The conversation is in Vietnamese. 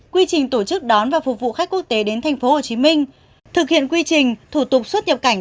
quy trình tổ chức đón và phục vụ khách quốc tế đến tp hcm thực hiện quy trình thủ tục xuất nhập cảnh